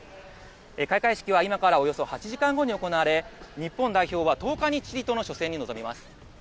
開会式は今からおよそ８時間後に行われ、日本代表は１０日にチリとの初戦に臨みます。